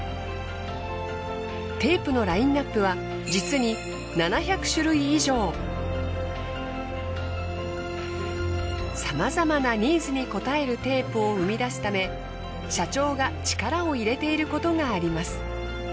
テープのラインナップは実にさまざまなニーズに応えるテープを生み出すため社長が力を入れていることがあります。